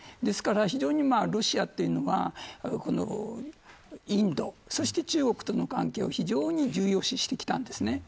ですから、非常にロシアはインドそして中国との関係を非常に重要視してきたんです。